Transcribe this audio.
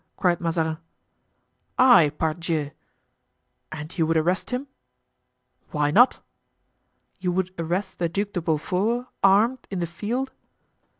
cried Mazarin. "I, pardieu!" "And you would arrest him?" "Why not?" "You would arrest the Duc de Beaufort, armed, in the field?"